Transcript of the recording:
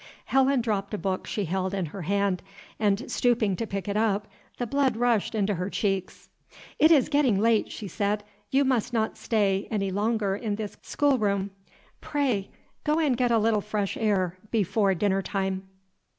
Helen dropped a book she held in her hand, and, stooping to pick it up, the blood rushed into her cheeks. "It is getting late," she said; "you must not stay any longer in this close schoolroom. Pray, go and get a little fresh air before dinner time."